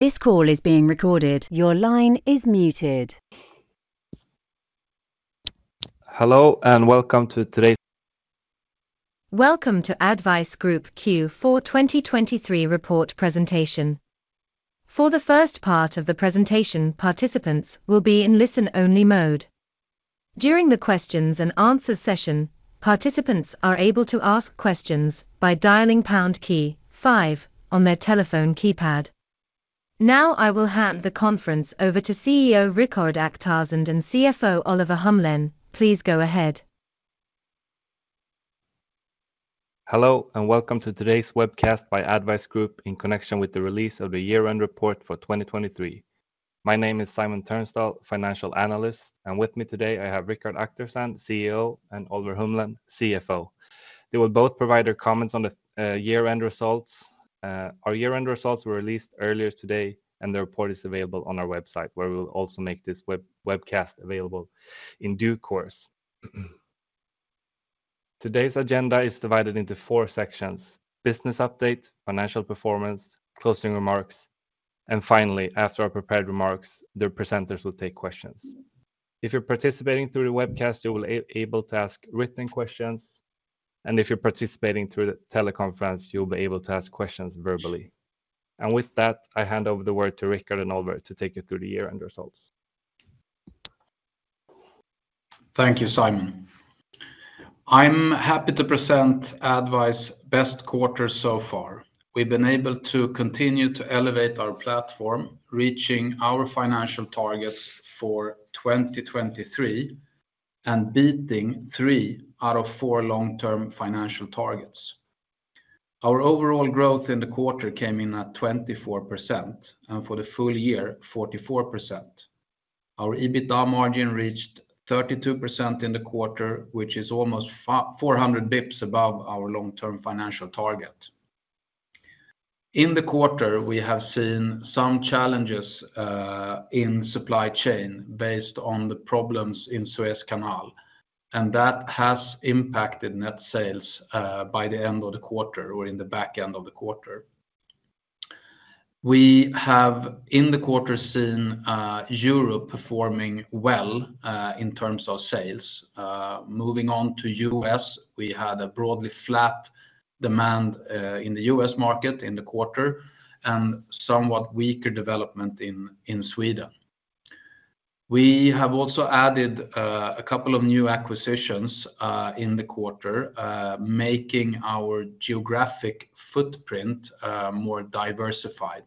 Welcome to ADDvise Group Q4 2023 report presentation. For the first part of the presentation, participants will be in listen-only mode. During the questions-and-answers session, participants are able to ask questions by dialing pound key five on their telephone keypad. Now I will hand the conference over to CEO Rikard Akhtarzand and CFO Oliver Humlen. Please go ahead. Hello and welcome to today's webcast by ADDvise Group in connection with the release of the year-end report for 2023. My name is Simon Ternståhl, financial analyst, and with me today I have Rikard Akhtarzand, CEO, and Oliver Humlen, CFO. They will both provide their comments on the year-end results. Our year-end results were released earlier today, and the report is available on our website, where we will also make this webcast available in due course. Today's agenda is divided into four sections: business update, financial performance, closing remarks, and finally, after our prepared remarks, the presenters will take questions. If you're participating through the webcast, you'll be able to ask written questions, and if you're participating through the teleconference, you'll be able to ask questions verbally. With that, I hand over the word to Rikard and Oliver to take you through the year-end results. Thank you, Simon. I'm happy to present ADDvise's best quarter so far. We've been able to continue to elevate our platform, reaching our financial targets for 2023 and beating three out of four long-term financial targets. Our overall growth in the quarter came in at 24%, and for the full-year, 44%. Our EBITDA margin reached 32% in the quarter, which is almost 400 bips above our long-term financial target. In the quarter, we have seen some challenges in supply chain based on the problems in Suez Canal, and that has impacted net sales by the end of the quarter or in the back end of the quarter. We have, in the quarter, seen Europe performing well in terms of sales. Moving on to the U.S., we had a broadly flat demand in the U.S. market in the quarter and somewhat weaker development in Sweden. We have also added a couple of new acquisitions in the quarter, making our geographic footprint more diversified.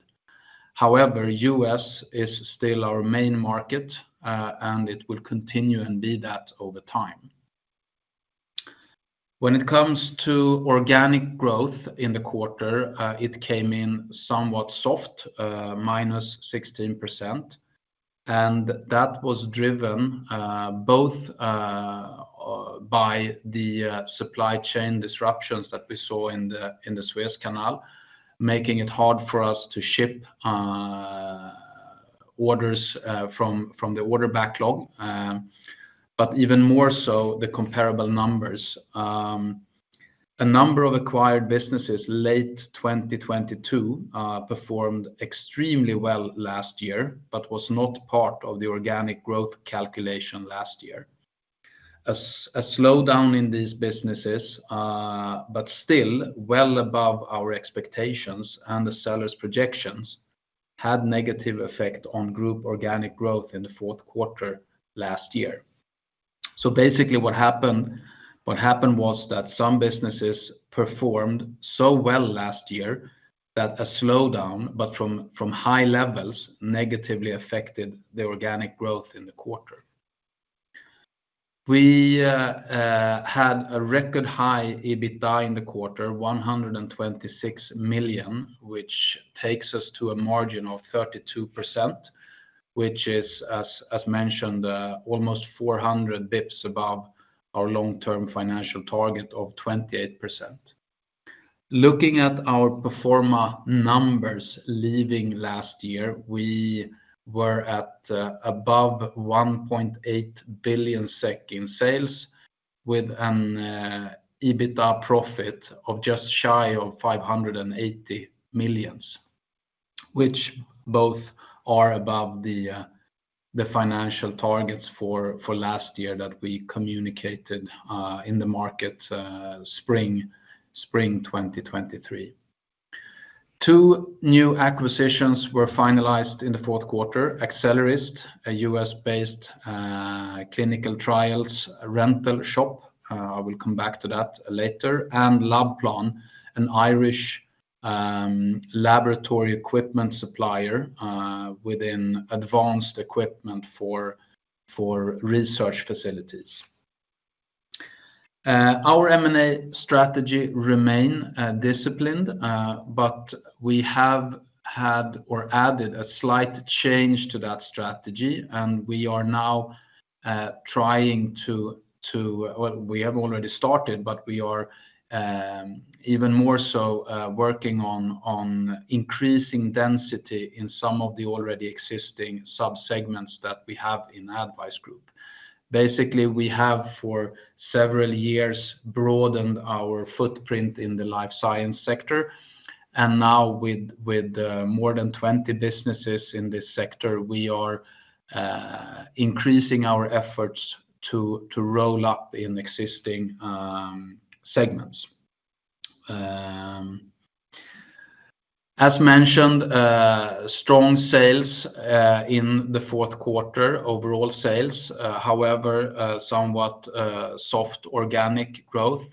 However, the U.S. is still our main market, and it will continue and be that over time. When it comes to organic growth in the quarter, it came in somewhat soft, -16%, and that was driven both by the supply chain disruptions that we saw in the Suez Canal, making it hard for us to ship orders from the order backlog, but even more so the comparable numbers. A number of acquired businesses late 2022 performed extremely well last year but was not part of the organic growth calculation last year. A slowdown in these businesses, but still well above our expectations and the sellers' projections, had a negative effect on group organic growth in the fourth quarter last year. Basically, what happened was that some businesses performed so well last year that a slowdown, but from high levels, negatively affected the organic growth in the quarter. We had a record high EBITDA in the quarter, 126 million, which takes us to a margin of 32%, which is, as mentioned, almost 400 basis points above our long-term financial target of 28%. Looking at our pro forma numbers leaving last year, we were at above 1.8 billion SEK in sales with an EBITDA profit of just shy of 580 million, which both are above the financial targets for last year that we communicated in the market spring 2023. Two new acquisitions were finalized in the fourth quarter: Axelerist, a U.S.-based clinical trials rental shop—I will come back to that later and Labplan, an Irish laboratory equipment supplier within advanced equipment for research facilities. Our M&A strategy remained disciplined, but we have had or added a slight change to that strategy, and we are now trying to, well, we have already started, but we are even more so working on increasing density in some of the already existing subsegments that we have in ADDvise Group. Basically, we have for several years broadened our footprint in the life science sector, and now with more than 20 businesses in this sector, we are increasing our efforts to roll up in existing segments. As mentioned, strong sales in the fourth quarter overall sales. However, somewhat soft organic growth,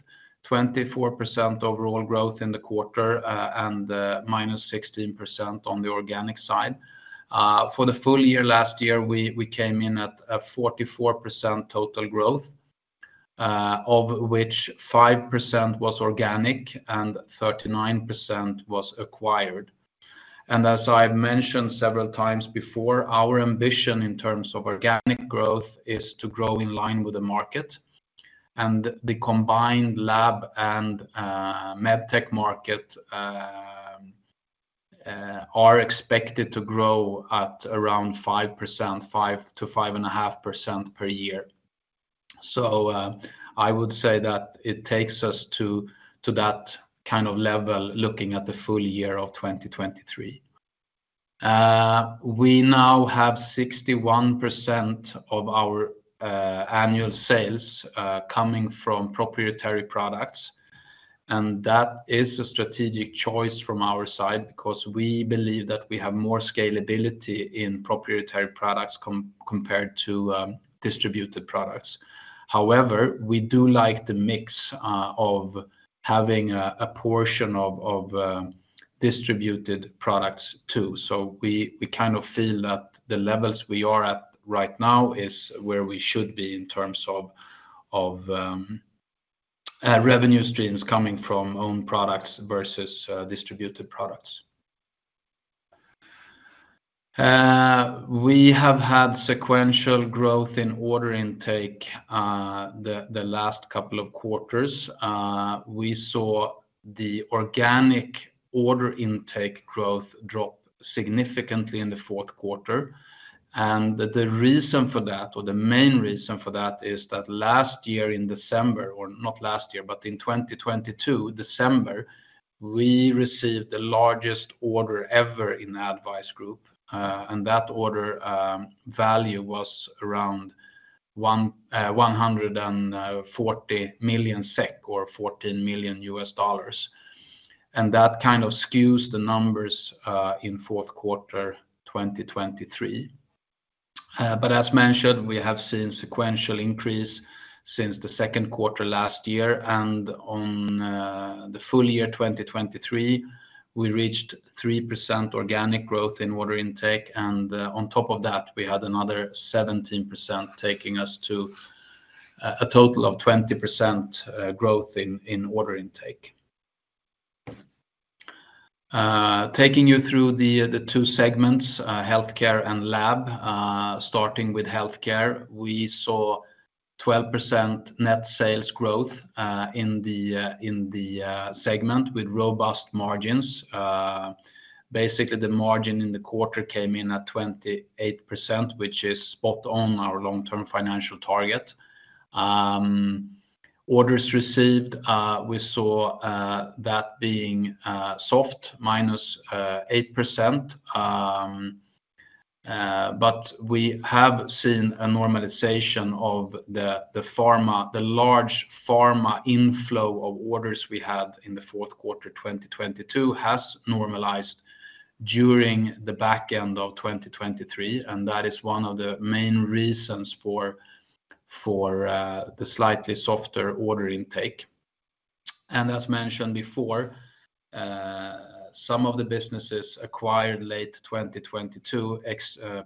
24% overall growth in the quarter and -16% on the organic side. For the full-year last year, we came in at 44% total growth, of which 5% was organic and 39% was acquired. As I've mentioned several times before, our ambition in terms of organic growth is to grow in line with the market, and the combined lab and medtech market are expected to grow at around 5%-5.5% per year. So I would say that it takes us to that kind of level looking at the full-year of 2023. We now have 61% of our annual sales coming from proprietary products, and that is a strategic choice from our side because we believe that we have more scalability in proprietary products compared to distributed products. However, we do like the mix of having a portion of distributed products too. So we kind of feel that the levels we are at right now is where we should be in terms of revenue streams coming from owned products versus distributed products. We have had sequential growth in order intake the last couple of quarters. We saw the organic order intake growth drop significantly in the fourth quarter. The reason for that, or the main reason for that, is that last year in December, or not last year, but in 2022, December, we received the largest order ever in ADDvise Group, and that order value was around 140 million SEK or $14 million. That kind of skews the numbers in fourth quarter 2023. As mentioned, we have seen sequential increase since the second quarter last year, and on the full-year 2023, we reached 3% organic growth in order intake. On top of that, we had another 17% taking us to a total of 20% growth in order intake. Taking you through the two segments, healthcare and lab, starting with healthcare, we saw 12% net sales growth in the segment with robust margins. Basically, the margin in the quarter came in at 28%, which is spot on our long-term financial target. Orders received, we saw that being soft, -8%. But we have seen a normalization of the large pharma inflow of orders we had in the fourth quarter 2022 has normalized during the back end of 2023, and that is one of the main reasons for the slightly softer order intake. And as mentioned before, some of the businesses acquired late 2022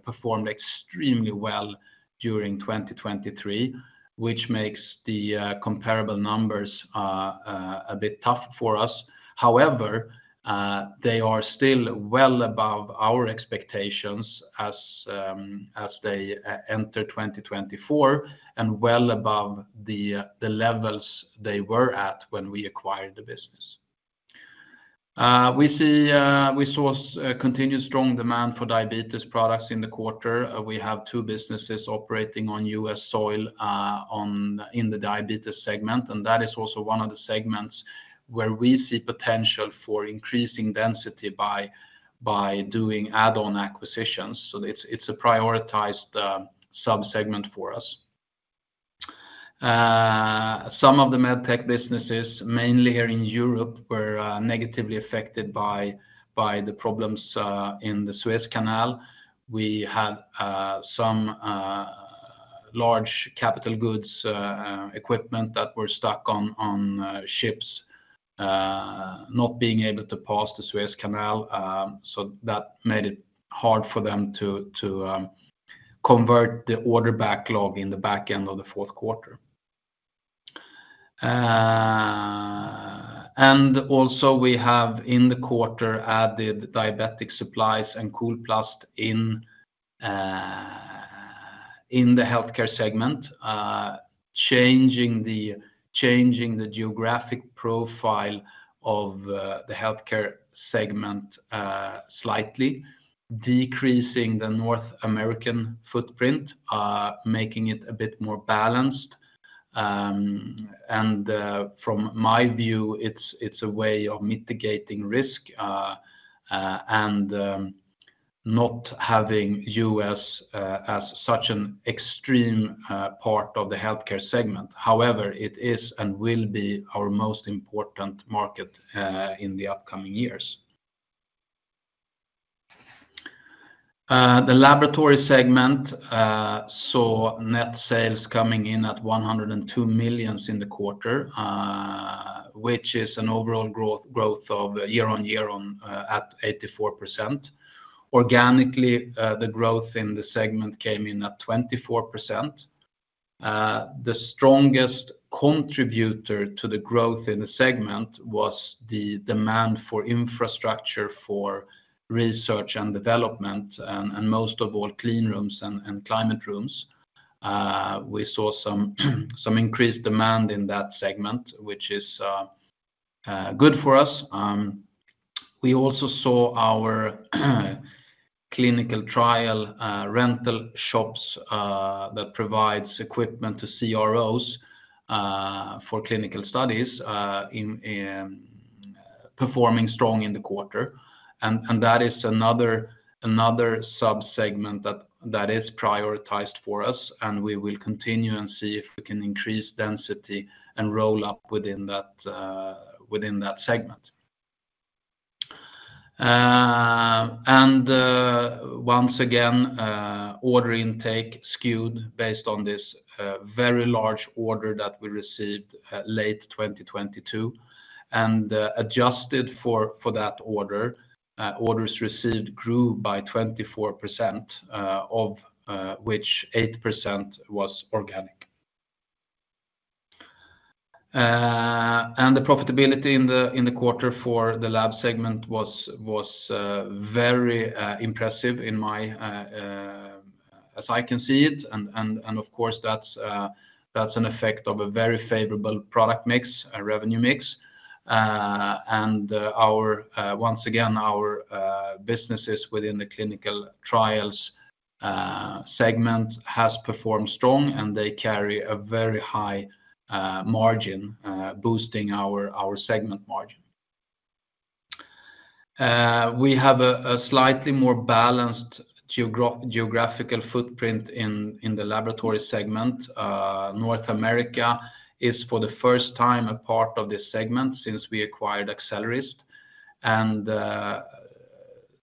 performed extremely well during 2023, which makes the comparable numbers a bit tough for us. However, they are still well above our expectations as they enter 2024 and well above the levels they were at when we acquired the business. We saw continued strong demand for diabetes products in the quarter. We have two businesses operating on U.S. soil in the diabetes segment, and that is also one of the segments where we see potential for increasing density by doing add-on acquisitions. So it's a prioritized subsegment for us. Some of the MedTech businesses, mainly here in Europe, were negatively affected by the problems in the Suez Canal. We had some large capital goods equipment that were stuck on ships, not being able to pass the Suez Canal, so that made it hard for them to convert the order backlog in the back end of the fourth quarter. And also, we have in the quarter added Diabetic Supplies and Kolplast in the healthcare segment, changing the geographic profile of the healthcare segment slightly, decreasing the North American footprint, making it a bit more balanced. From my view, it's a way of mitigating risk and not having U.S. as such an extreme part of the healthcare segment. However, it is and will be our most important market in the upcoming years. The laboratory segment saw net sales coming in at 102 million in the quarter, which is an overall growth of year-on-year at 84%. Organically, the growth in the segment came in at 24%. The strongest contributor to the growth in the segment was the demand for infrastructure for research and development, and most of all, clean rooms and climate rooms. We saw some increased demand in that segment, which is good for us. We also saw our clinical trial rental shops that provide equipment to CROs for clinical studies performing strong in the quarter. That is another subsegment that is prioritized for us, and we will continue and see if we can increase density and roll up within that segment. Once again, order intake skewed based on this very large order that we received late 2022. Adjusted for that order, orders received grew by 24%, of which 8% was organic. The profitability in the quarter for the lab segment was very impressive as I can see it. Of course, that's an effect of a very favorable product mix, a revenue mix. Once again, our businesses within the clinical trials segment have performed strong, and they carry a very high margin, boosting our segment margin. We have a slightly more balanced geographical footprint in the laboratory segment. North America is, for the first time, a part of this segment since we acquired Axelerist.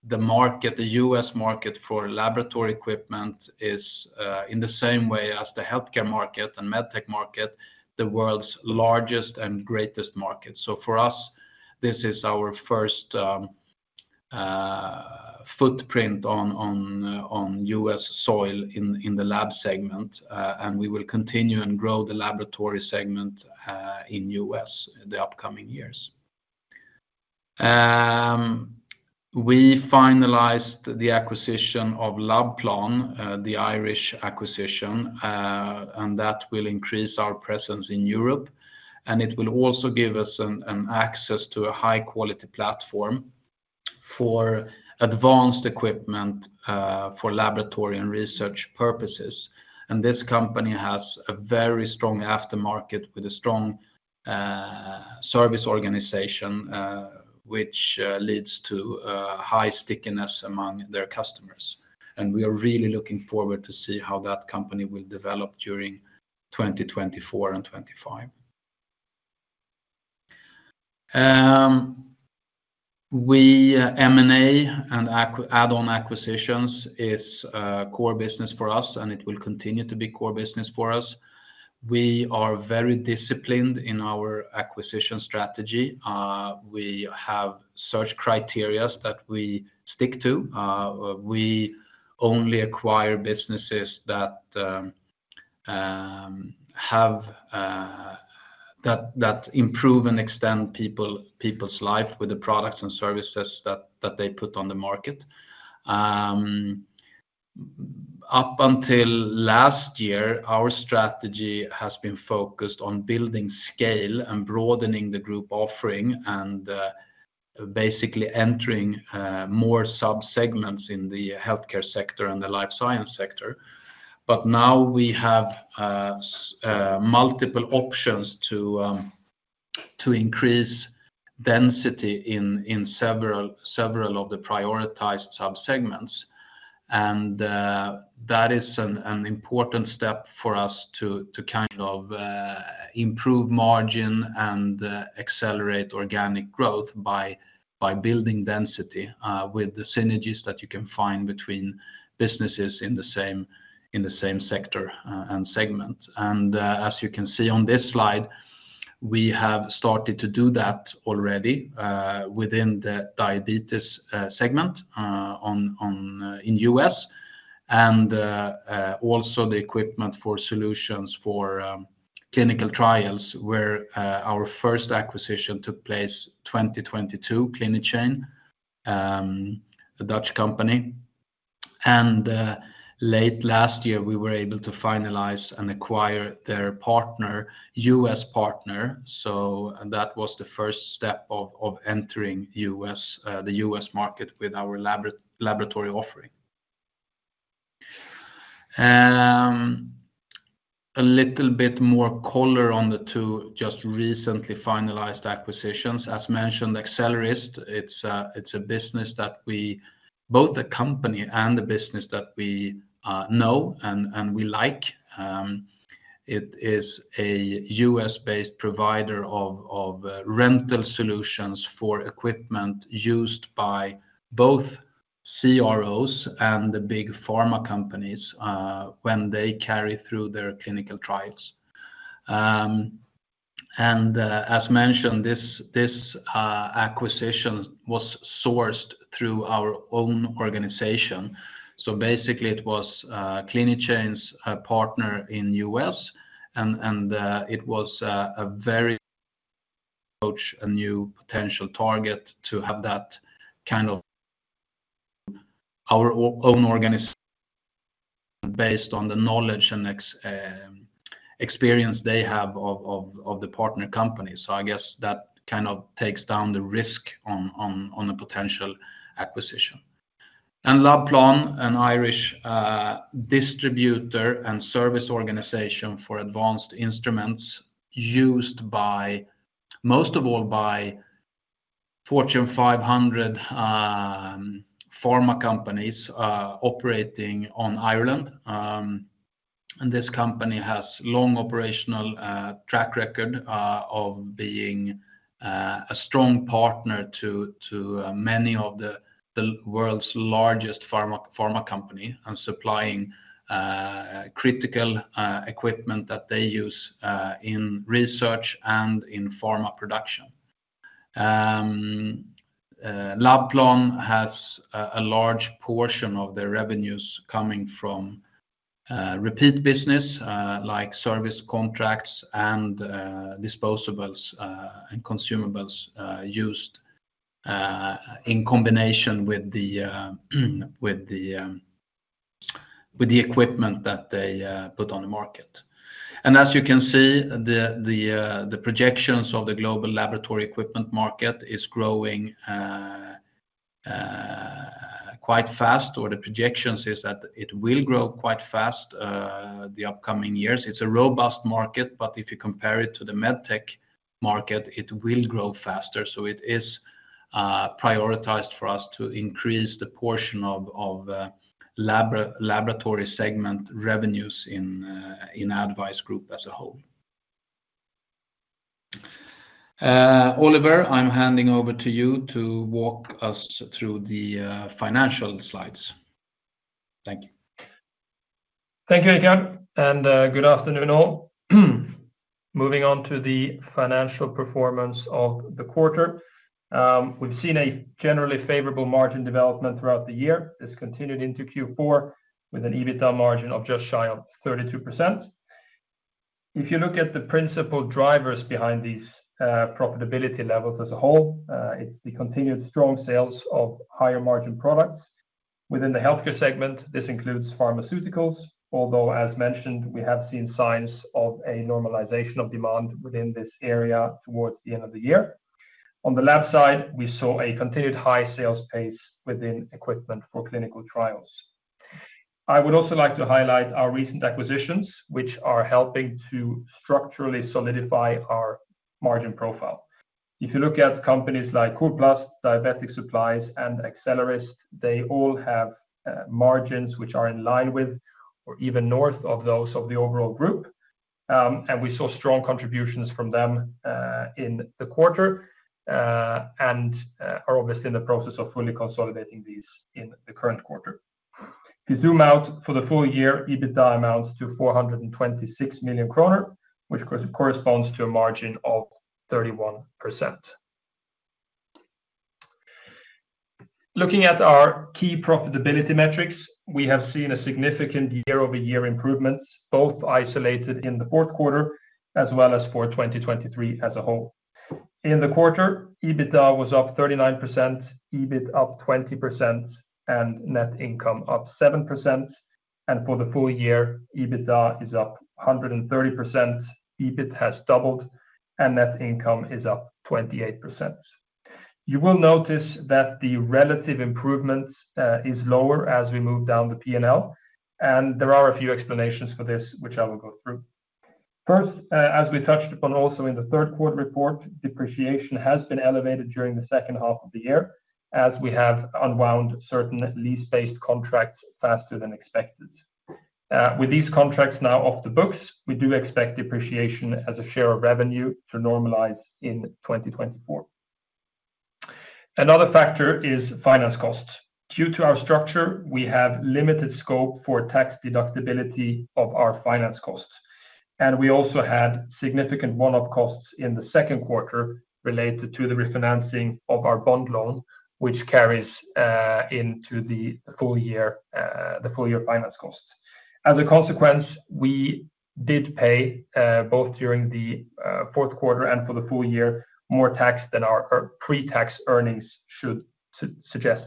The U.S. market for laboratory equipment is, in the same way as the healthcare market and MedTech market, the world's largest and greatest market. So for us, this is our first footprint on U.S. soil in the lab segment, and we will continue and grow the laboratory segment in the U.S. in the upcoming years. We finalized the acquisition of Labplan, the Irish acquisition, and that will increase our presence in Europe. It will also give us access to a high-quality platform for advanced equipment for laboratory and research purposes. This company has a very strong aftermarket with a strong service organization, which leads to high stickiness among their customers. We are really looking forward to see how that company will develop during 2024 and 2025. M&A and add-on acquisitions is a core business for us, and it will continue to be a core business for us. We are very disciplined in our acquisition strategy. We have search criteria that we stick to. We only acquire businesses that improve and extend people's life with the products and services that they put on the market. Up until last year, our strategy has been focused on building scale and broadening the group offering and basically entering more subsegments in the healthcare sector and the life science sector. But now we have multiple options to increase density in several of the prioritized subsegments. And that is an important step for us to kind of improve margin and accelerate organic growth by building density with the synergies that you can find between businesses in the same sector and segment. As you can see on this slide, we have started to do that already within the diabetes segment in the U.S. and also the equipment for solutions for clinical trials, where our first acquisition took place in 2022, CliniChain, a Dutch company. Late last year, we were able to finalize and acquire their partner, a U.S. partner. So that was the first step of entering the U.S. market with our laboratory offering. A little bit more color on the two just recently finalized acquisitions. As mentioned, Axelerist, it's a business that we both the company and the business that we know and we like. It is a U.S.-based provider of rental solutions for equipment used by both CROs and the big pharma companies when they carry through their clinical trials. And as mentioned, this acquisition was sourced through our own organization. So basically, it was CliniChain's partner in the U.S., and it was a very approachable new potential target to have that kind of our own organization based on the knowledge and experience they have of the partner companies. I guess that kind of takes down the risk on a potential acquisition. Labplan, an Irish distributor and service organization for advanced instruments used mostly by Fortune 500 pharma companies operating in Ireland. This company has a long operational track record of being a strong partner to many of the world's largest pharma companies and supplying critical equipment that they use in research and in pharma production. Labplan has a large portion of their revenues coming from repeat business like service contracts and disposables and consumables used in combination with the equipment that they put on the market. As you can see, the projections of the global laboratory equipment market are growing quite fast, or the projections are that it will grow quite fast the upcoming years. It's a robust market, but if you compare it to the MedTech market, it will grow faster. So it is prioritized for us to increase the portion of laboratory segment revenues in ADDvise Group as a whole. Oliver, I'm handing over to you to walk us through the financial slides. Thank you. Thank you, Rikard, and good afternoon, all. Moving on to the financial performance of the quarter, we've seen a generally favorable margin development throughout the year. This continued into Q4 with an EBITDA margin of just shy of 32%. If you look at the principal drivers behind these profitability levels as a whole, it's the continued strong sales of higher-margin products. Within the healthcare segment, this includes pharmaceuticals, although, as mentioned, we have seen signs of a normalization of demand within this area towards the end of the year. On the lab side, we saw a continued high sales pace within equipment for clinical trials. I would also like to highlight our recent acquisitions, which are helping to structurally solidify our margin profile. If you look at companies like Coolplast, Diabetic Supplies, and Axelerist, they all have margins which are in line with or even north of those of the overall group. We saw strong contributions from them in the quarter and are obviously in the process of fully consolidating these in the current quarter. If you zoom out for the full year, EBITDA amounts to 426 million kronor, which corresponds to a margin of 31%. Looking at our key profitability metrics, we have seen a significant year-over-year improvement, both isolated in the fourth quarter as well as for 2023 as a whole. In the quarter, EBITDA was up 39%, EBIT up 20%, and net income up 7%. For the full year, EBITDA is up 130%, EBIT has doubled, and net income is up 28%. You will notice that the relative improvement is lower as we move down the P&L. There are a few explanations for this, which I will go through. First, as we touched upon also in the third-quarter report, depreciation has been elevated during the second half of the year as we have unwound certain lease-based contracts faster than expected. With these contracts now off the books, we do expect depreciation as a share of revenue to normalize in 2024. Another factor is finance costs. Due to our structure, we have limited scope for tax deductibility of our finance costs. And we also had significant one-off costs in the second quarter related to the refinancing of our bond loan, which carries into the full-year finance costs. As a consequence, we did pay both during the fourth quarter and for the full year more tax than our pre-tax earnings should suggest.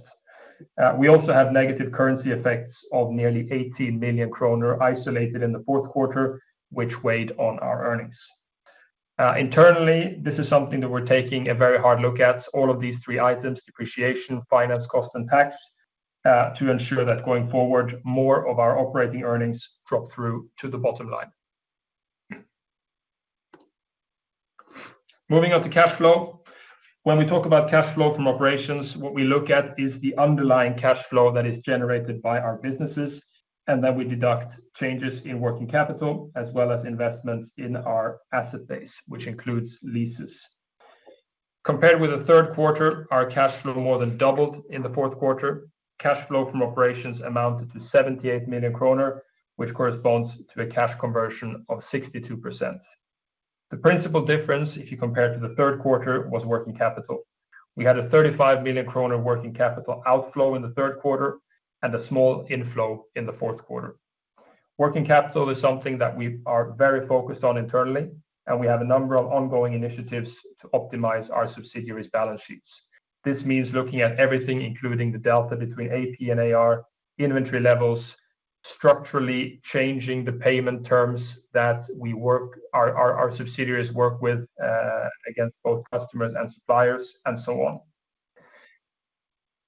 We also had negative currency effects of nearly 18 million kronor isolated in the fourth quarter, which weighed on our earnings. Internally, this is something that we're taking a very hard look at, all of these three items, depreciation, finance costs, and tax, to ensure that going forward, more of our operating earnings drop through to the bottom line. Moving on to cash flow. When we talk about cash flow from operations, what we look at is the underlying cash flow that is generated by our businesses. Then we deduct changes in working capital as well as investments in our asset base, which includes leases. Compared with the third quarter, our cash flow more than doubled in the fourth quarter. Cash flow from operations amounted to 78 million kronor, which corresponds to a cash conversion of 62%. The principal difference, if you compare to the third quarter, was working capital. We had a 35 million kronor working capital outflow in the third quarter and a small inflow in the fourth quarter. Working capital is something that we are very focused on internally, and we have a number of ongoing initiatives to optimize our subsidiaries' balance sheets. This means looking at everything, including the delta between AP and AR, inventory levels, structurally changing the payment terms that our subsidiaries work with against both customers and suppliers, and so on.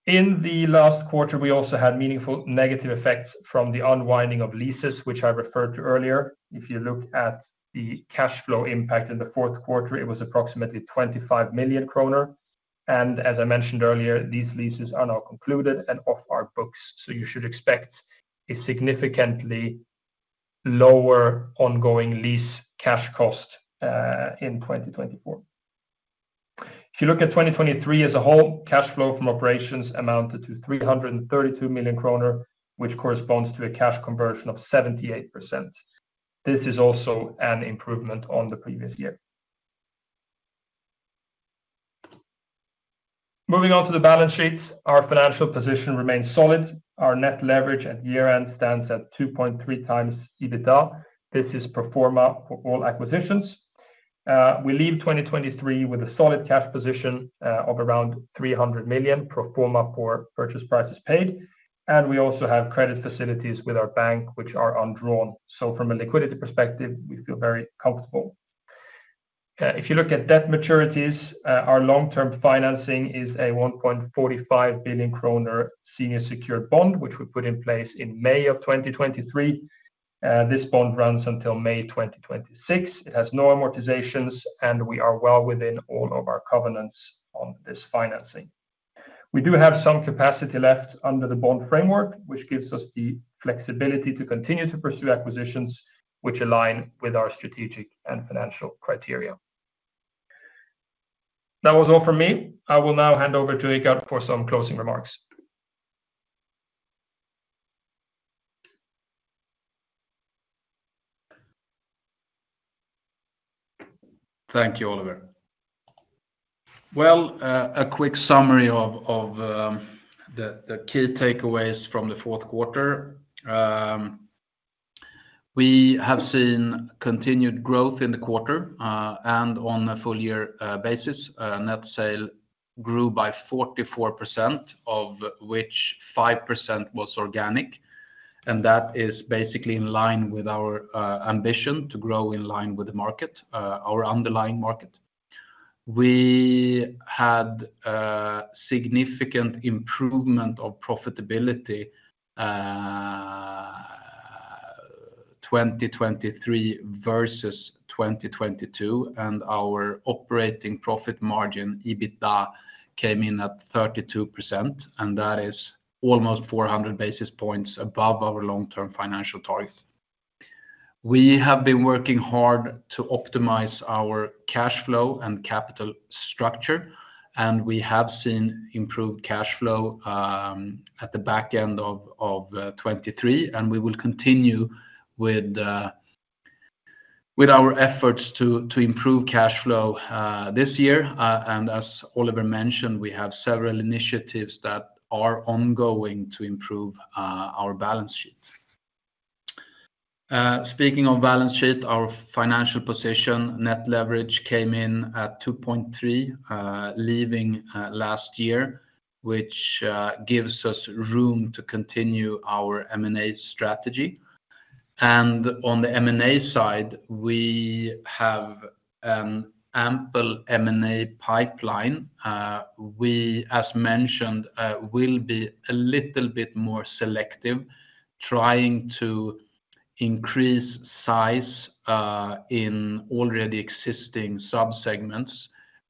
In the last quarter, we also had meaningful negative effects from the unwinding of leases, which I referred to earlier. If you look at the cash flow impact in the fourth quarter, it was approximately 25 million kronor. And as I mentioned earlier, these leases are now concluded and off our books. So you should expect a significantly lower ongoing lease cash cost in 2024. If you look at 2023 as a whole, cash flow from operations amounted to 332 million kronor, which corresponds to a cash conversion of 78%. This is also an improvement on the previous year. Moving on to the balance sheet, our financial position remains solid. Our net leverage at year-end stands at 2.3 times EBITDA. This is pro forma for all acquisitions. We leave 2023 with a solid cash position of around 300 million, pro forma for purchase prices paid. We also have credit facilities with our bank, which are undrawn. So from a liquidity perspective, we feel very comfortable. If you look at debt maturities, our long-term financing is a 1.45 billion kronor senior secured bond, which we put in place in May of 2023. This bond runs until May 2026. It has no amortizations, and we are well within all of our covenants on this financing. We do have some capacity left under the bond framework, which gives us the flexibility to continue to pursue acquisitions which align with our strategic and financial criteria. That was all from me. I will now hand over to Richard for some closing remarks. Thank you, Oliver. Well, a quick summary of the key takeaways from the fourth quarter. We have seen continued growth in the quarter and on a full-year basis. Net sales grew by 44%, of which 5% was organic. That is basically in line with our ambition to grow in line with the market, our underlying market. We had significant improvement of profitability in 2023 versus 2022, and our operating profit margin, EBITDA, came in at 32%, and that is almost 400 basis points above our long-term financial targets. We have been working hard to optimize our cash flow and capital structure, and we have seen improved cash flow at the back end of 2023. We will continue with our efforts to improve cash flow this year. As Oliver mentioned, we have several initiatives that are ongoing to improve our balance sheet. Speaking of balance sheet, our financial position, net leverage, came in at 2.3, leaving last year, which gives us room to continue our M&A strategy. On the M&A side, we have an ample M&A pipeline. We, as mentioned, will be a little bit more selective, trying to increase size in already existing subsegments,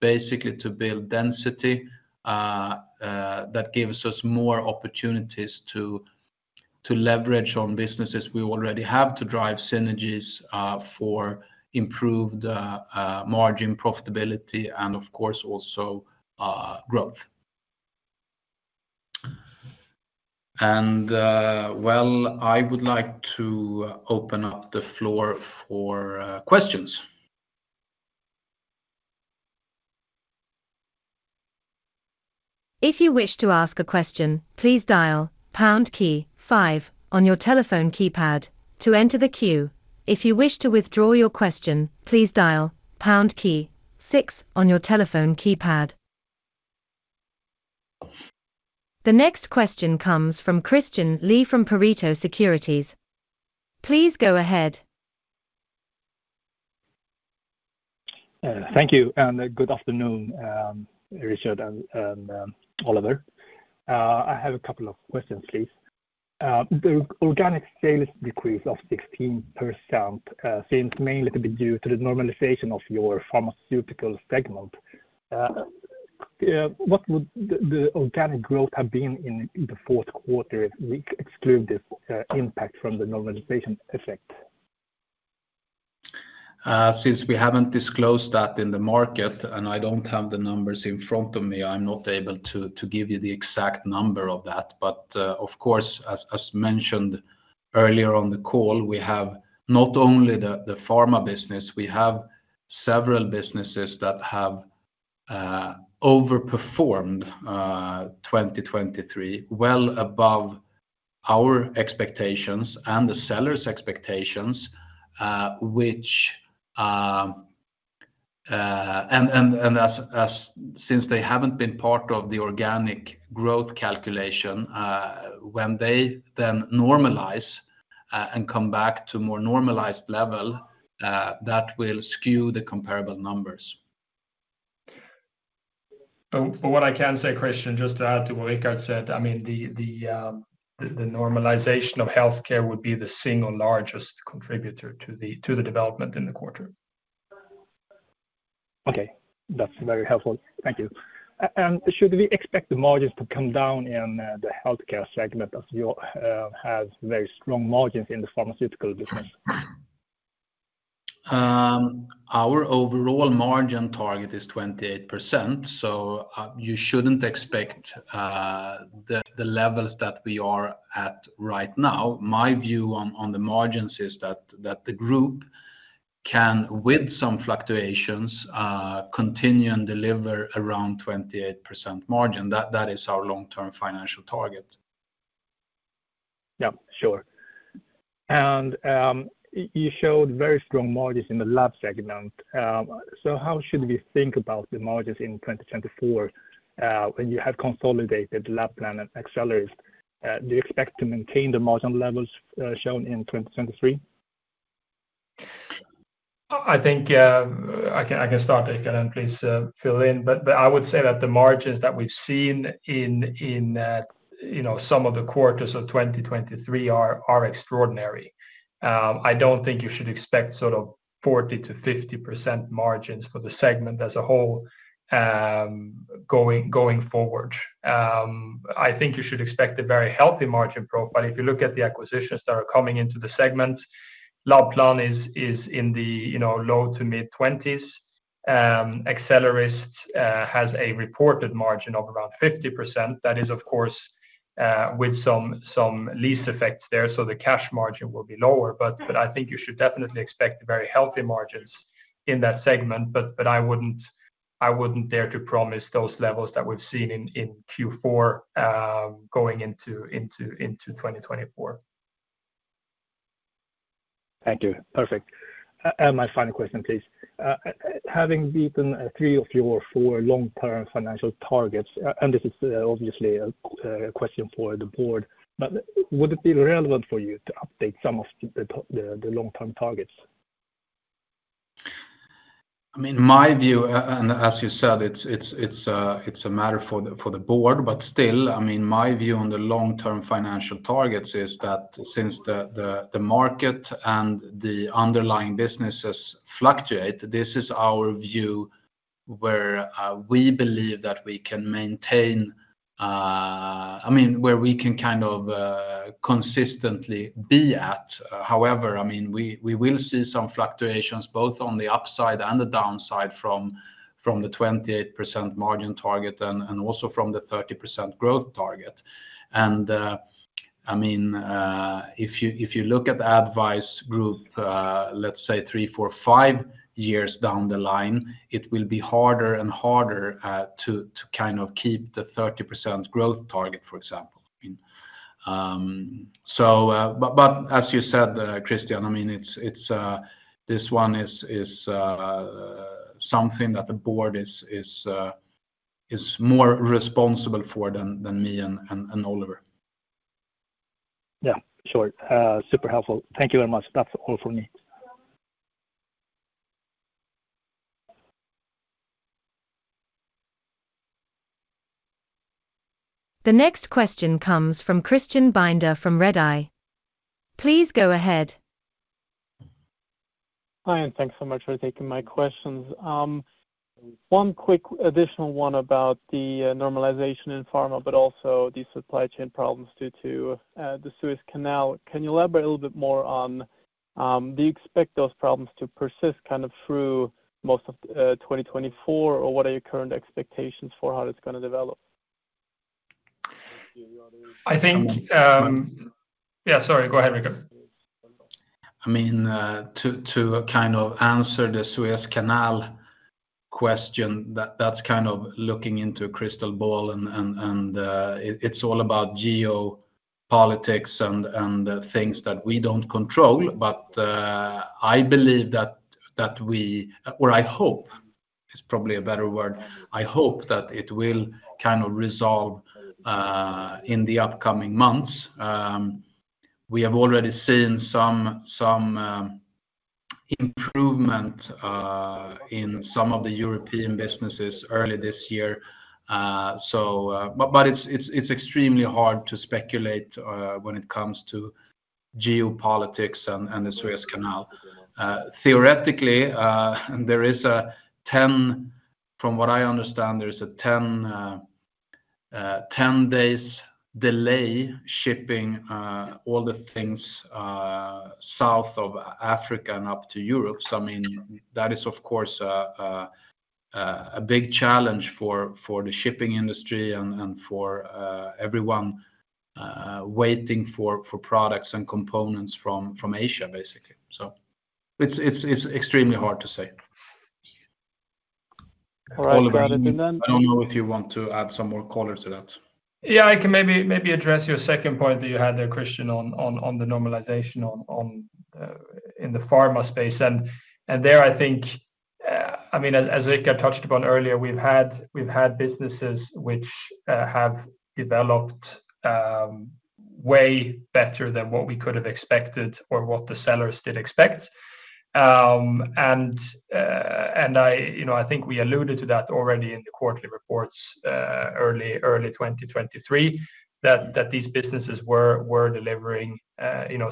basically to build density that gives us more opportunities to leverage on businesses we already have to drive synergies for improved margin profitability and, of course, also growth. Well, I would like to open up the floor for questions. If you wish to ask a question, please dial pound key five on your telephone keypad to enter the queue. If you wish to withdraw your question, please dial pound key six on your telephone keypad. The next question comes from Christian Lee from Pareto Securities. Please go ahead. Thank you. Good afternoon, Rikard and Oliver. I have a couple of questions, please. The organic sales decrease of 16% seems mainly to be due to the normalization of your pharmaceutical segment. What would the organic growth have been in the fourth quarter if we exclude this impact from the normalization effect? Since we haven't disclosed that in the market, and I don't have the numbers in front of me, I'm not able to give you the exact number of that. But of course, as mentioned earlier on the call, we have not only the pharma business, we have several businesses that have overperformed 2023, well above our expectations and the sellers' expectations, which and since they haven't been part of the organic growth calculation, when they then normalize and come back to more normalized level, that will skew the comparable numbers. What I can say, Christian, just to add to what Rikard said, I mean, the normalization of healthcare would be the single largest contributor to the development in the quarter. Okay. That's very helpful. Thank you. Should we expect the margins to come down in the Healthcare Segment as you have very strong margins in the Pharmaceutical business? Our overall margin target is 28%. You shouldn't expect the levels that we are at right now. My view on the margins is that the group can, with some fluctuations, continue and deliver around 28% margin. That is our long-term financial target. Yeah, sure. You showed very strong margins in the Lab segment. How should we think about the margins in 2024 when you have consolidated Labplan and Axelerist? Do you expect to maintain the margin levels shown in 2023? I think I can start, Rikard, and please fill in. But I would say that the margins that we've seen in some of the quarters of 2023 are extraordinary. I don't think you should expect sort of 40%-50% margins for the segment as a whole going forward. I think you should expect a very healthy margin profile. If you look at the acquisitions that are coming into the segment, Labplan is in the low to mid-20s. Axelerist has a reported margin of around 50%. That is, of course, with some lease effects there. So the cash margin will be lower. But I think you should definitely expect very healthy margins in that segment. But I wouldn't dare to promise those levels that we've seen in Q4 going into 2024. Thank you. Perfect. And my final question, please. Having beaten three of your four long-term financial targets - and this is obviously a question for the board - but would it be relevant for you to update some of the long-term targets? I mean, my view, and as you said, it's a matter for the board. But still, I mean, my view on the long-term financial targets is that since the market and the underlying businesses fluctuate, this is our view where we believe that we can maintain I mean, where we can kind of consistently be at. However, I mean, we will see some fluctuations both on the upside and the downside from the 28% margin target and also from the 30% growth target. And I mean, if you look at ADDvise Group, let's say three, four, five years down the line, it will be harder and harder to kind of keep the 30% growth target, for example. But as you said, Christian, I mean, this one is something that the board is more responsible for than me and Oliver. Yeah, sure. Super helpful. Thank you very much. That's all from me. The next question comes from Christian Binder from RedEye. Please go ahead. Hi, and thanks so much for taking my questions. One quick additional one about the normalization in pharma, but also the supply chain problems due to the Suez Canal. Can you elaborate a little bit more on do you expect those problems to persist kind of through most of 2024, or what are your current expectations for how it's going to develop? I think yeah, sorry. Go ahead, Richard. I mean, to kind of answer the Suez Canal question, that's kind of looking into a crystal ball, and it's all about geopolitics and things that we don't control. But I believe that we or I hope is probably a better word. I hope that it will kind of resolve in the upcoming months. We have already seen some improvement in some of the European businesses early this year. But it's extremely hard to speculate when it comes to geopolitics and the Suez Canal. Theoretically, from what I understand, there is a 10-day delay shipping all the things south of Africa and up to Europe. So I mean, that is, of course, a big challenge for the shipping industry and for everyone waiting for products and components from Asia, basically. So it's extremely hard to say. All right, got it. And then. Oliver, I don't know if you want to add some more colors to that. Yeah, I can maybe address your second point that you had there, Christian, on the normalization in the pharma space. There, I think I mean, as Richard touched upon earlier, we've had businesses which have developed way better than what we could have expected or what the sellers did expect. I think we alluded to that already in the quarterly reports early 2023, that these businesses were delivering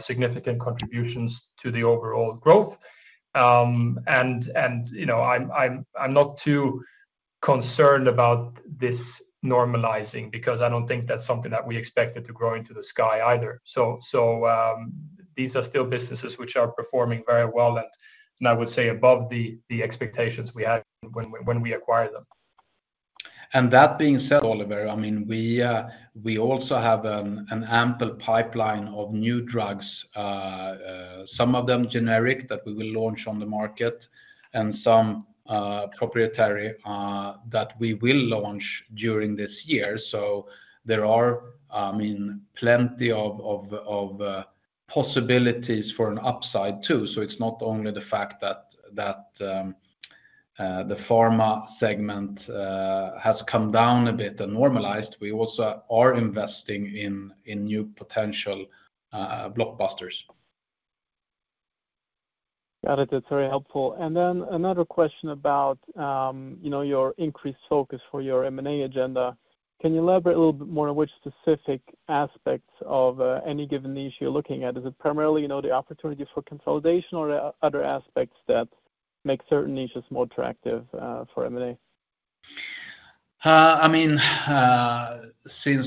significant contributions to the overall growth. I'm not too concerned about this normalizing because I don't think that's something that we expected to grow into the sky either. These are still businesses which are performing very well and I would say above the expectations we had when we acquired them. That being said, Oliver, I mean, we also have an ample pipeline of new drugs, some of them generic that we will launch on the market and some proprietary that we will launch during this year. So there are, I mean, plenty of possibilities for an upside too. So it's not only the fact that the pharma segment has come down a bit and normalized. We also are investing in new potential blockbusters. Got it. That's very helpful. And then another question about your increased focus for your M&A agenda. Can you elaborate a little bit more on which specific aspects of any given niche you're looking at? Is it primarily the opportunity for consolidation or other aspects that make certain niches more attractive for M&A? I mean, since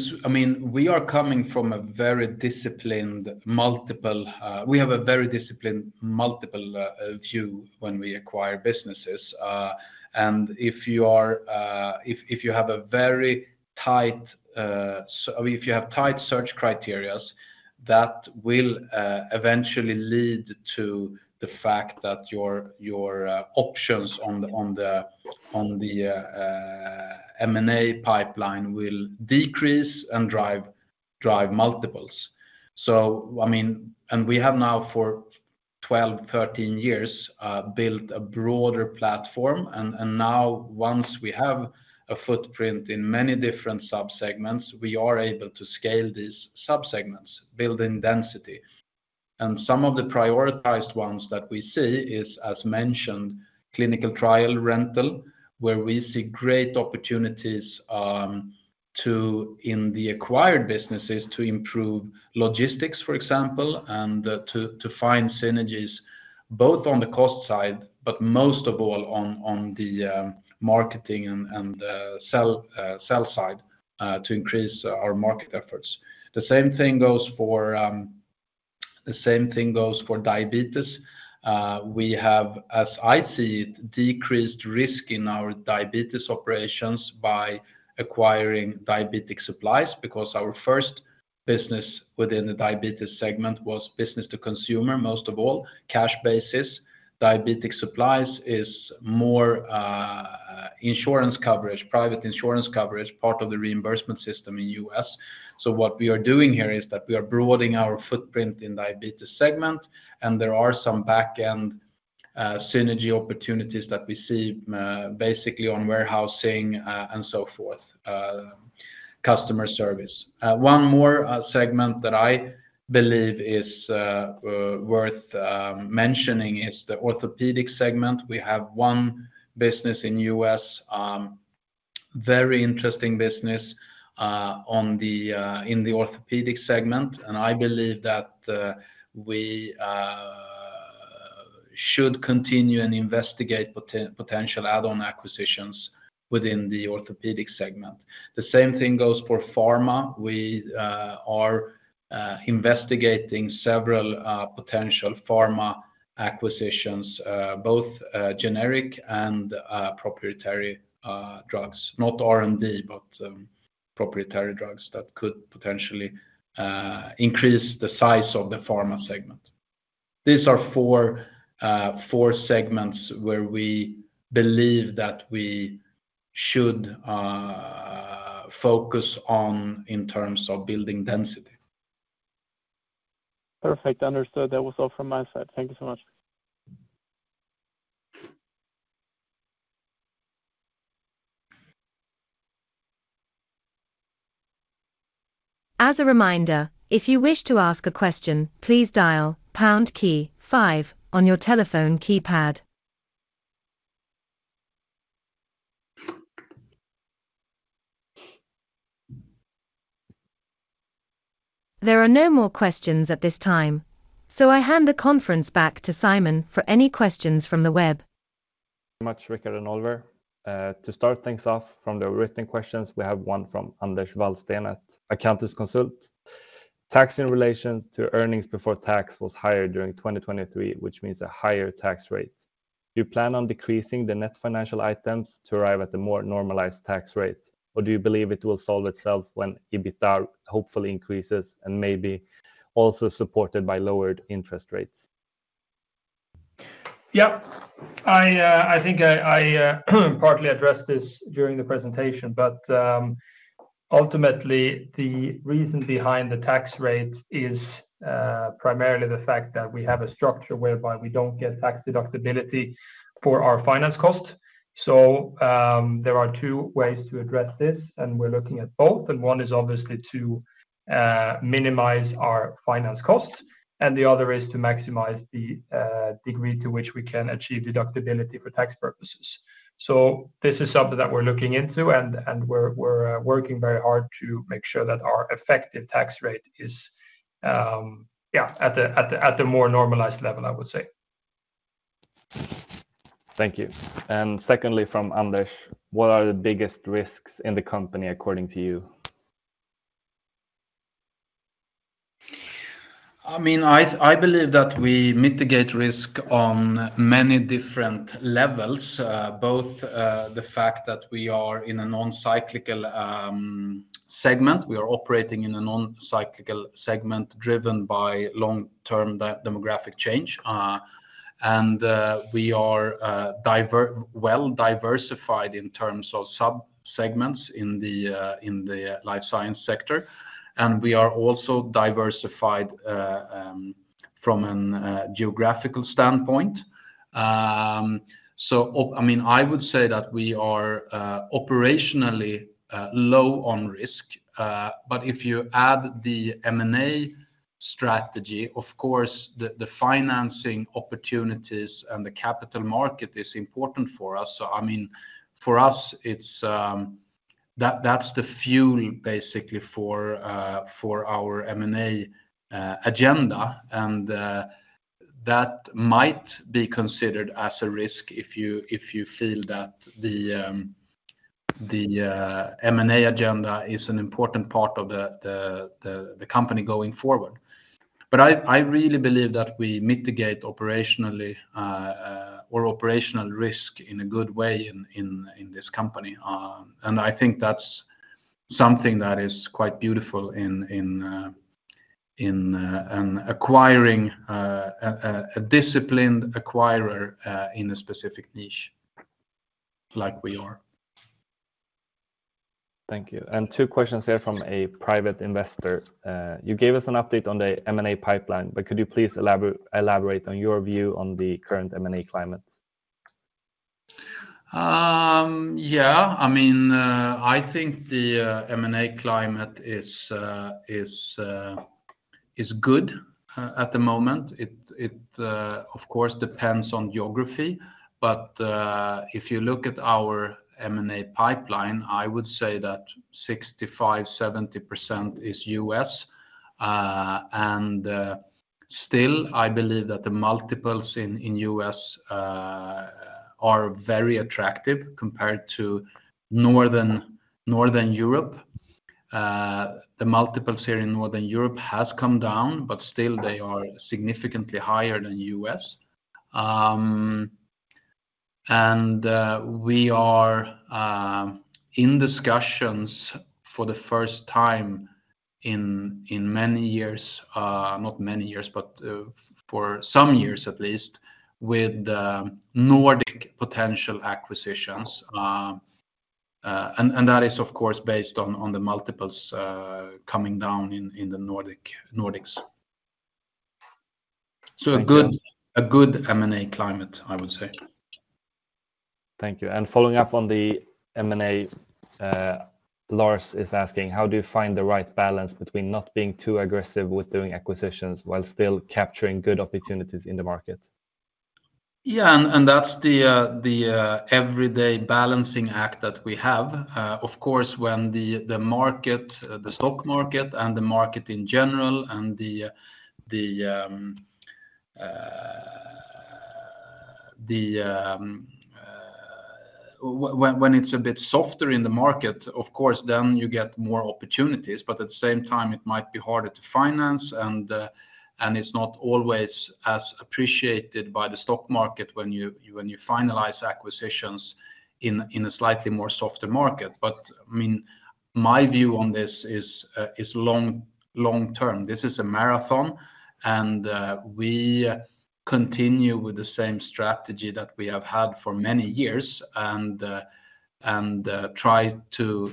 we are coming from a very disciplined multiple, we have a very disciplined multiple view when we acquire businesses. And if you have a very tight—I mean, if you have tight—search criteria, that will eventually lead to the fact that your options on the M&A pipeline will decrease and drive multiples. So, I mean, we have now for 12, 13 years built a broader platform. And now, once we have a footprint in many different subsegments, we are able to scale these subsegments, building density. And some of the prioritized ones that we see is, as mentioned, clinical trial rental, where we see great opportunities in the acquired businesses to improve logistics, for example, and to find synergies both on the cost side, but most of all on the marketing and sell side to increase our market efforts. The same thing goes for diabetes. We have, as I see it, decreased risk in our Diabetes Operations by acquiring Diabetic Supplies because our first business within the diabetes segment was business-to-consumer, most of all, cash basis. Diabetic Supplies is more insurance coverage, private insurance coverage, part of the reimbursement system in the U.S. So what we are doing here is that we are broadening our footprint in the diabetes segment. And there are some back-end synergy opportunities that we see basically on warehousing and so forth, customer service. One more segment that I believe is worth mentioning is the orthopedic segment. We have one business in the U.S., very interesting business in the orthopedic segment. And I believe that we should continue and investigate potential add-on acquisitions within the orthopedic segment. The same thing goes for pharma. We are investigating several potential pharma acquisitions, both generic and proprietary drugs, not R&D, but proprietary drugs that could potentially increase the size of the pharma segment. These are four segments where we believe that we should focus on in terms of building density. Perfect. Understood. That was all from my side. Thank you so much. As a reminder, if you wish to ask a question, please dial pound key five on your telephone keypad. There are no more questions at this time, so I hand the conference back to Simon for any questions from the web. Rikard and Oliver. To start things off from the written questions, we have one from Anders Wallsten at Accountants Consult. "Tax in relation to earnings before tax was higher during 2023, which means a higher tax rate. Do you plan on decreasing the net financial items to arrive at a more normalized tax rate, or do you believe it will solve itself when EBITDA hopefully increases and may be also supported by lowered interest rates? Yeah, I think I partly addressed this during the presentation. Ultimately, the reason behind the tax rate is primarily the fact that we have a structure whereby we don't get tax deductibility for our finance costs. There are two ways to address this, and we're looking at both. One is obviously to minimize our finance costs, and the other is to maximize the degree to which we can achieve deductibility for tax purposes. This is something that we're looking into, and we're working very hard to make sure that our effective tax rate is, yeah, at the more normalized level, I would say. Thank you. And secondly, from Anders, what are the biggest risks in the company according to you? I mean, I believe that we mitigate risk on many different levels, both the fact that we are in a non-cyclical segment. We are operating in a non-cyclical segment driven by long-term demographic change. We are well diversified in terms of subsegments in the life science sector. We are also diversified from a geographical standpoint. So I mean, I would say that we are operationally low on risk. But if you add the M&A strategy, of course, the financing opportunities and the capital market is important for us. So I mean, for us, that's the fuel, basically, for our M&A agenda. That might be considered as a risk if you feel that the M&A agenda is an important part of the company going forward. But I really believe that we mitigate operationally or operational risk in a good way in this company. I think that's something that is quite beautiful in acquiring a disciplined acquirer in a specific niche like we are. Thank you. Two questions here from a private investor. "You gave us an update on the M&A pipeline, but could you please elaborate on your view on the current M&A climate? Yeah. I mean, I think the M&A climate is good at the moment. It, of course, depends on geography. But if you look at our M&A pipeline, I would say that 65%-70% is U.S. And still, I believe that the multiples in U.S. are very attractive compared to Northern Europe. The multiples here in Northern Europe have come down, but still, they are significantly higher than U.S. And we are in discussions for the first time in many years not many years, but for some years at least, with Nordic potential acquisitions. And that is, of course, based on the multiples coming down in the Nordics. So a good M&A climate, I would say. Thank you. Following up on the M&A, Lars is asking, "How do you find the right balance between not being too aggressive with doing acquisitions while still capturing good opportunities in the market? Yeah, and that's the everyday balancing act that we have. Of course, when the market, the stock market, and the market in general and when it's a bit softer in the market, of course, then you get more opportunities. But at the same time, it might be harder to finance, and it's not always as appreciated by the stock market when you finalize acquisitions in a slightly more softer market. But I mean, my view on this is long-term. This is a marathon. We continue with the same strategy that we have had for many years and try to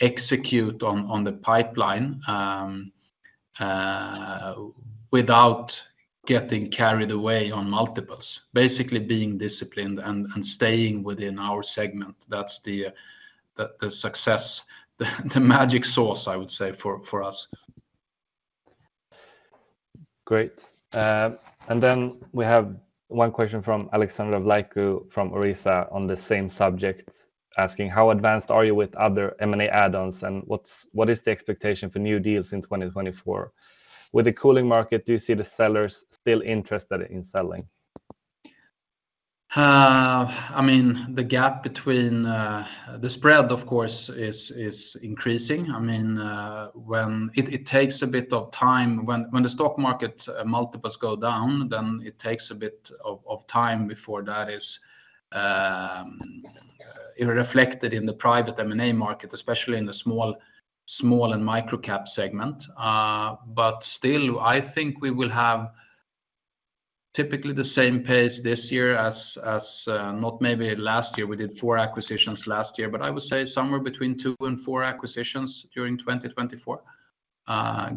execute on the pipeline without getting carried away on multiples, basically being disciplined and staying within our segment. That's the success, the magic source, I would say, for us. Great. And then we have one question from Alexandru Vlaicu from Oresa on the same subject, asking, "How advanced are you with other M&A add-ons, and what is the expectation for new deals in 2024? With the cooling market, do you see the sellers still interested in selling? I mean, the gap between the spread, of course, is increasing. I mean, it takes a bit of time. When the stock market multiples go down, then it takes a bit of time before that is reflected in the private M&A market, especially in the small and microcap segment. But still, I think we will have typically the same pace this year as not maybe last year. We did four acquisitions last year, but I would say somewhere between two and four acquisitions during 2024,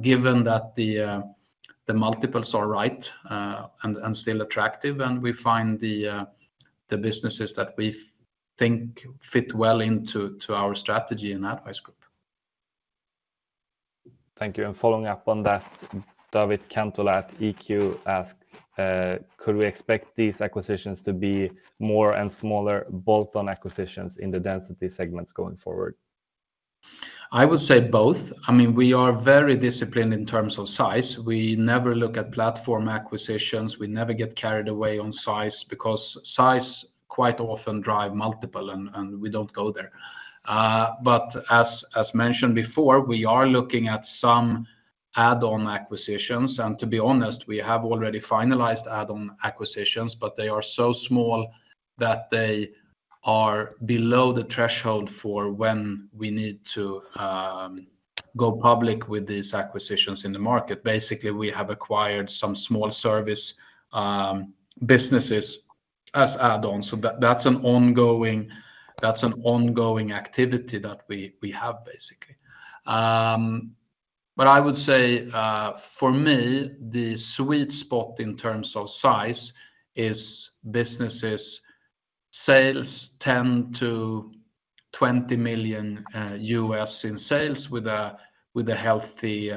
given that the multiples are right and still attractive, and we find the businesses that we think fit well into our strategy in ADDvise Group. Thank you. And following up on that, David Kantola at EQ asks, "Could we expect these acquisitions to be more and smaller bolt-on acquisitions in the density segments going forward? I would say both. I mean, we are very disciplined in terms of size. We never look at platform acquisitions. We never get carried away on size because size quite often drives multiple, and we don't go there. But as mentioned before, we are looking at some add-on acquisitions. And to be honest, we have already finalized add-on acquisitions, but they are so small that they are below the threshold for when we need to go public with these acquisitions in the market. Basically, we have acquired some small service businesses as add-ons. So that's an ongoing activity that we have, basically. But I would say, for me, the sweet spot in terms of size is businesses' sales tend to $20 million in sales with a healthy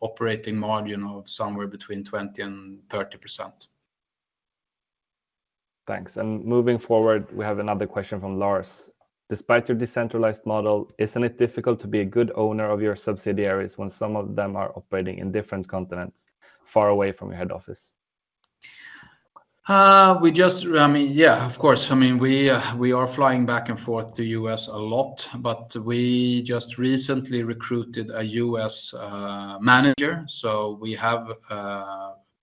operating margin of somewhere between 20%-30%. Thanks. Moving forward, we have another question from Lars. "Despite your decentralized model, isn't it difficult to be a good owner of your subsidiaries when some of them are operating in different continents far away from your head office? I mean, yeah, of course. I mean, we are flying back and forth to the U.S. a lot. But we just recently recruited a U.S. manager. So we have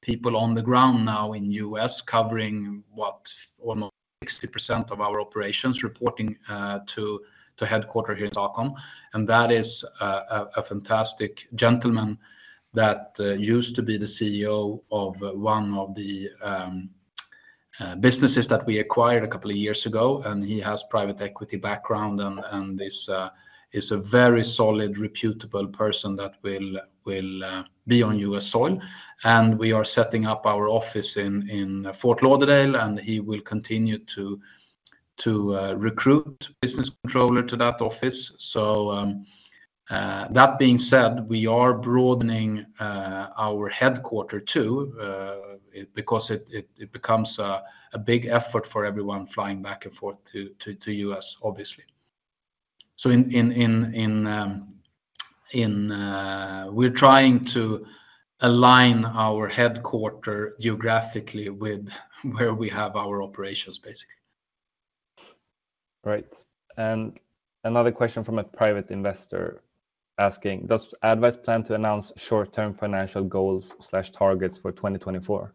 people on the ground now in the U.S. covering, what, almost 60% of our operations, reporting to headquarters here in Stockholm. And that is a fantastic gentleman that used to be the CEO of one of the businesses that we acquired a couple of years ago. And he has private equity background and is a very solid, reputable person that will be on U.S. soil. And we are setting up our office in Fort Lauderdale, and he will continue to recruit. Business controller to that office. So that being said, we are broadening our headquarters too because it becomes a big effort for everyone flying back and forth to the U.S., obviously. We're trying to align our headquarters geographically with where we have our operations, basically. Great. And another question from a private investor asking, "Does ADDvise plan to announce short-term financial goals/targets for 2024?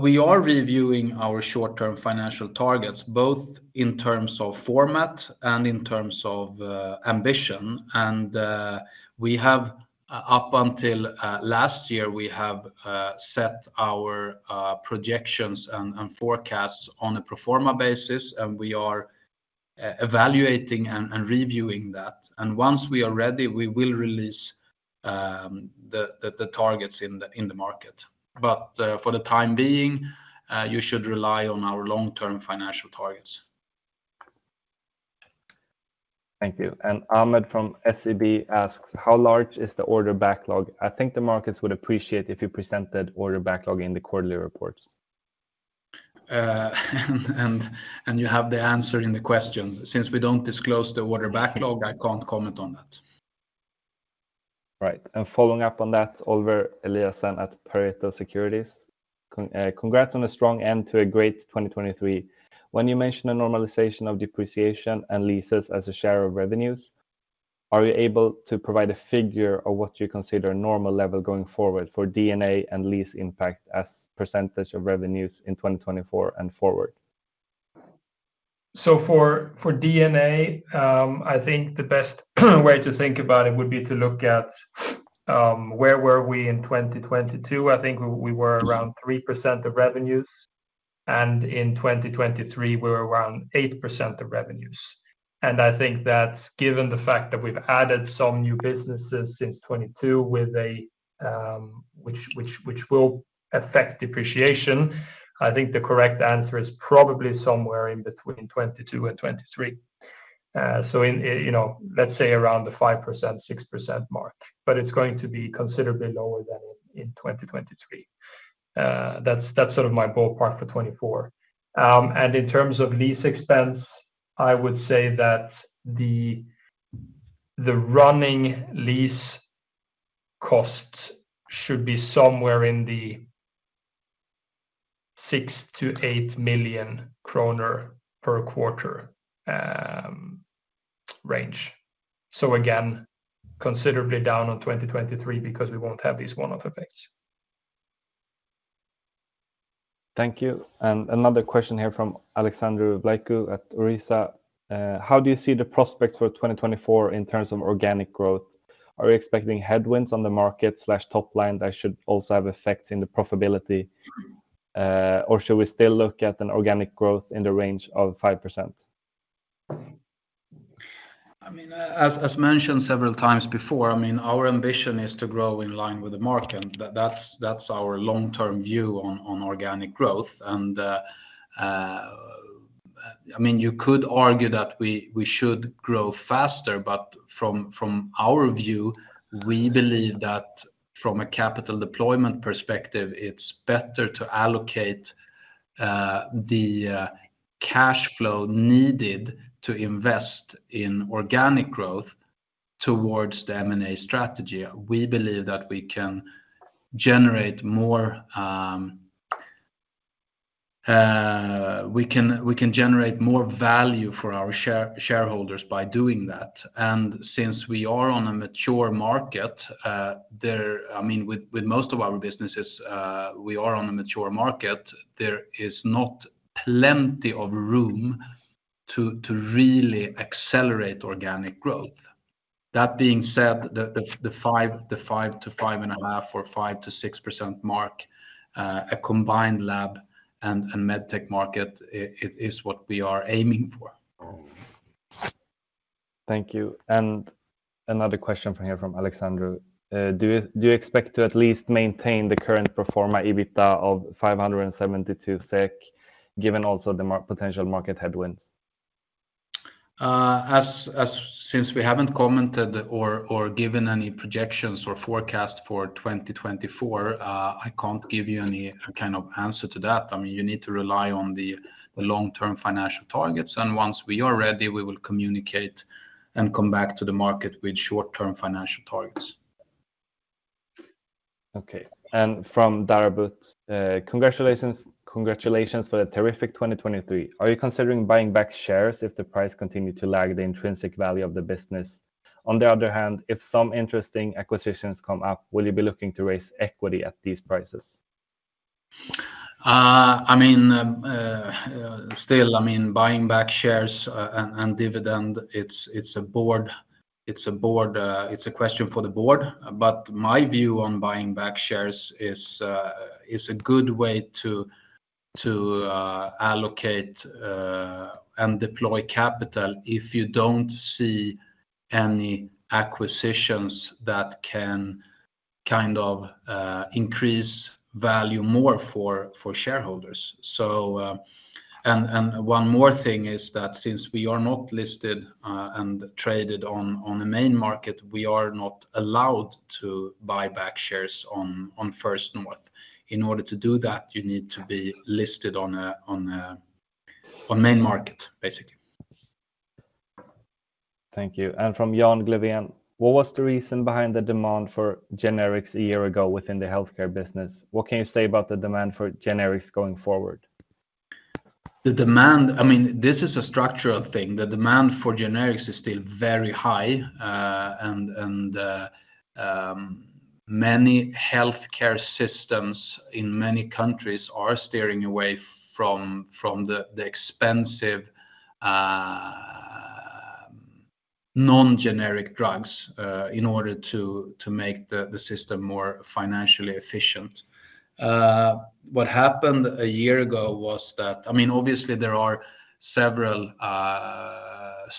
We are reviewing our short-term financial targets, both in terms of format and in terms of ambition. Up until last year, we have set our projections and forecasts on a pro forma basis, and we are evaluating and reviewing that. Once we are ready, we will release the targets in the market. But for the time being, you should rely on our long-term financial targets. Thank you. Ahmed from SEB asks, "How large is the order backlog? I think the markets would appreciate if you presented order backlog in the quarterly reports. You have the answer in the questions. Since we don't disclose the order backlog, I can't comment on that. Right. And following up on that, Oliver Eliasson at Pareto Securities, "Congrats on a strong end to a great 2023. When you mention a normalization of depreciation and leases as a share of revenues, are you able to provide a figure of what you consider normal level going forward for D&A and lease impact as percentage of revenues in 2024 and forward? So for D&A, I think the best way to think about it would be to look at where were we in 2022. I think we were around 3% of revenues, and in 2023, we were around 8% of revenues. And I think that's given the fact that we've added some new businesses since 2022 which will affect depreciation, I think the correct answer is probably somewhere in between 2022 and 2023. So let's say around the 5%-6% mark. But it's going to be considerably lower than in 2023. That's sort of my ballpark for 2024. And in terms of lease expense, I would say that the running lease cost should be somewhere in the SEK 6 million-SEK 8 million per quarter range. So again, considerably down on 2023 because we won't have these one-off effects. Thank you. Another question here from Aleksandrov Laiku at Oresa, "How do you see the prospects for 2024 in terms of organic growth? Are you expecting headwinds on the market/top line that should also have effects in the profitability, or should we still look at an organic growth in the range of 5%? I mean, as mentioned several times before, I mean, our ambition is to grow in line with the market. That's our long-term view on organic growth. And I mean, you could argue that we should grow faster. But from our view, we believe that from a capital deployment perspective, it's better to allocate the cash flow needed to invest in organic growth towards the M&A strategy. We believe that we can generate more value for our shareholders by doing that. And since we are on a mature market, I mean, with most of our businesses, we are on a mature market. There is not plenty of room to really accelerate organic growth. That being said, the 5%-5.5% or 5%-6% mark, a combined lab and MedTech market, is what we are aiming for. Thank you. Another question from here from Alexandru, "Do you expect to at least maintain the current pro forma EBITDA of 572 SEK given also the potential market headwinds? Since we haven't commented or given any projections or forecasts for 2024, I can't give you any kind of answer to that. I mean, you need to rely on the long-term financial targets. And once we are ready, we will communicate and come back to the market with short-term financial targets. Okay. From Darabut, "Congratulations for a terrific 2023. Are you considering buying back shares if the price continued to lag the intrinsic value of the business? On the other hand, if some interesting acquisitions come up, will you be looking to raise equity at these prices? I mean, still, I mean, buying back shares and dividend, it's a board, it's a question for the board. But my view on buying back shares is a good way to allocate and deploy capital if you don't see any acquisitions that can kind of increase value more for shareholders. And one more thing is that since we are not listed and traded on a main market, we are not allowed to buy back shares on First North. In order to do that, you need to be listed on a main market, basically. Thank you. And from Jan Glevén, "What was the reason behind the demand for generics a year ago within the healthcare business? What can you say about the demand for generics going forward? I mean, this is a structural thing. The demand for generics is still very high. Many healthcare systems in many countries are steering away from the expensive non-generic drugs in order to make the system more financially efficient. What happened a year ago was that I mean, obviously, there are several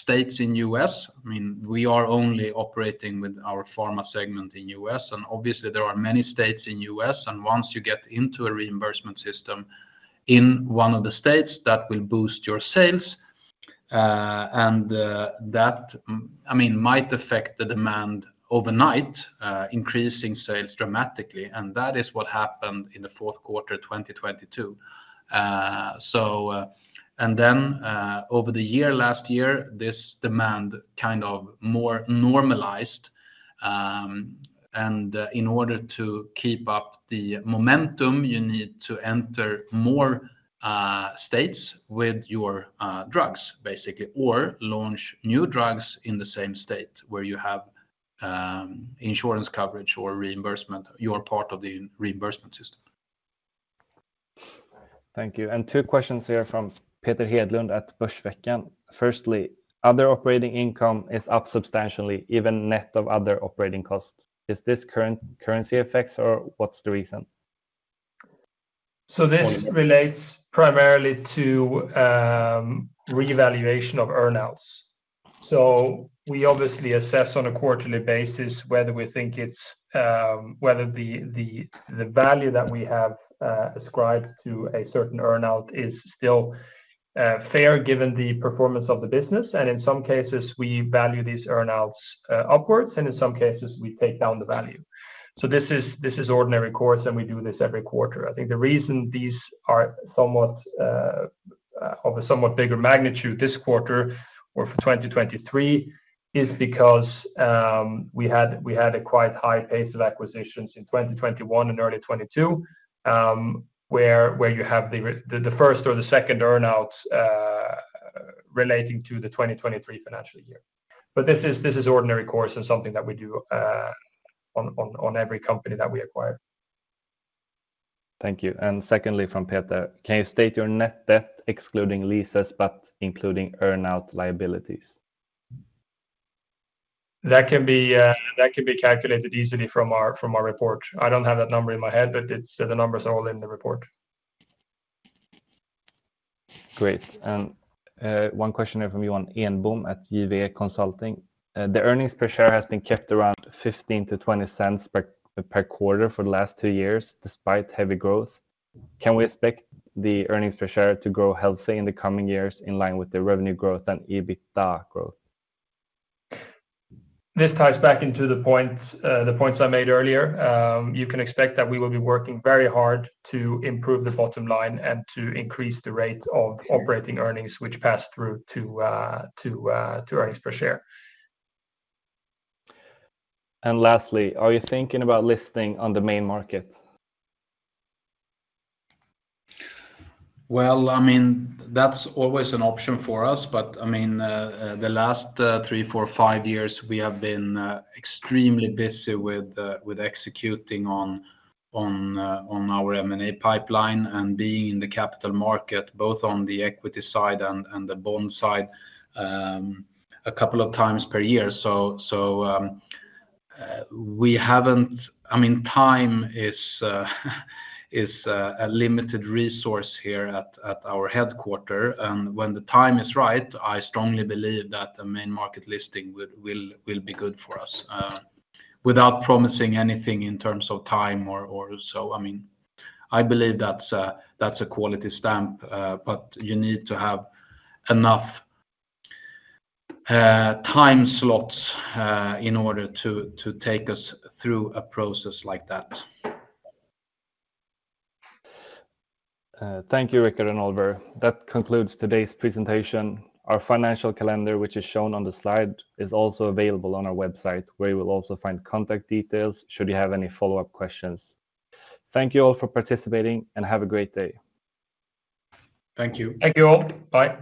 states in the U.S. I mean, we are only operating with our pharma segment in the U.S. Obviously, there are many states in the U.S. Once you get into a reimbursement system in one of the states, that will boost your sales. That, I mean, might affect the demand overnight, increasing sales dramatically. That is what happened in the fourth quarter of 2022. Then over the year, last year, this demand kind of more normalized. In order to keep up the momentum, you need to enter more states with your drugs, basically, or launch new drugs in the same state where you have insurance coverage or reimbursement. Your part of the reimbursement system. Thank you. And two questions here from Peter Hedlund at Börsveckan. "Firstly, other operating income is up substantially, even net of other operating costs. Is this currency effects, or what's the reason? This relates primarily to revaluation of earnouts. We obviously assess on a quarterly basis whether we think it's the value that we have ascribed to a certain earnout is still fair given the performance of the business. In some cases, we value these earnouts upwards. In some cases, we take down the value. This is ordinary course, and we do this every quarter. I think the reason these are of a somewhat bigger magnitude this quarter or for 2023 is because we had a quite high pace of acquisitions in 2021 and early 2022 where you have the first or the second earnouts relating to the 2023 financial year. This is ordinary course and something that we do on every company that we acquire. Thank you. Secondly from Peter, "Can you state your net debt excluding leases but including earnout liabilities? That can be calculated easily from our report. I don't have that number in my head, but the numbers are all in the report. Great. One question here from Johan Enbom at JVE Consulting: "The earnings per share has been kept around 0.15-0.20 per quarter for the last two years despite heavy growth. Can we expect the earnings per share to grow healthily in the coming years in line with the revenue growth and EBITDA growth? This ties back into the points I made earlier. You can expect that we will be working very hard to improve the bottom line and to increase the rate of operating earnings which pass through to earnings per share. Lastly, "Are you thinking about listing on the main market? Well, I mean, that's always an option for us. But I mean, the last three, four, five years, we have been extremely busy with executing on our M&A pipeline and being in the capital market, both on the equity side and the bond side, a couple of times per year. So we haven't. I mean, time is a limited resource here at our headquarters. And when the time is right, I strongly believe that a main market listing will be good for us without promising anything in terms of time or so. I mean, I believe that's a quality stamp. But you need to have enough time slots in order to take us through a process like that. Thank you, Rikard and Oliver. That concludes today's presentation. Our financial calendar, which is shown on the slide, is also available on our website where you will also find contact details should you have any follow-up questions. Thank you all for participating, and have a great day. Thank you. Thank you all. Bye. Bye.